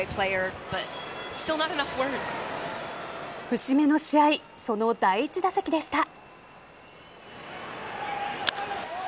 節目の試合その第１打席でした。